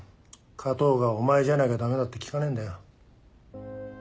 加藤がお前じゃなきゃ駄目だって聞かねえんだよ。